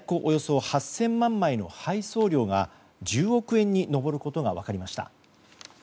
およそ８０００万枚の配送料が１０億円に上ることが分かりました。